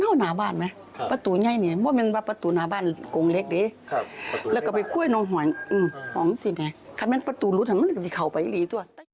ถามดูประตูรุดแล้วเหมือนจะเค้าไปเลย